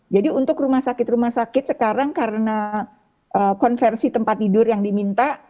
jadi untuk rumah sakit rumah sakit sekarang karena konversi tempat tidur yang diminta